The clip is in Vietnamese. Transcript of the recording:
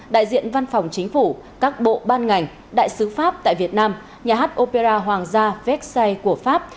đại diện văn phòng chính phủ các bộ ban ngành đại sứ pháp tại việt nam nhà hát opera hoàng gia vecsai của pháp